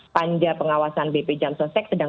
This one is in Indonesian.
panja pengawasan bp jam sostek sedang